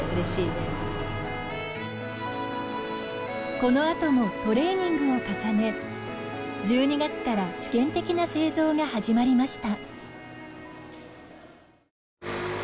このあともトレーニングを重ね１２月から試験的な製造が始まりました。